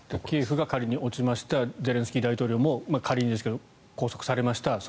キエフが仮に落ちましたゼレンスキー大統領も仮に拘束されました